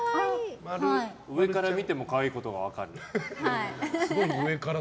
上から見ても可愛いことが分かる。